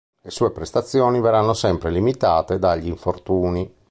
Le sue prestazioni verranno sempre limitate dagli infortuni.